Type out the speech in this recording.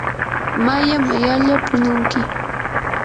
maya mayalla pununki.